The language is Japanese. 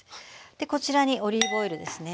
こちらにオリーブオイルですね。